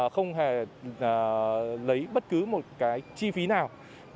không hề lấy bất cứ một cái chi phí nào